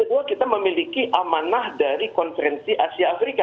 dan yang kedua kita memiliki amanah dari konferensi asia afrika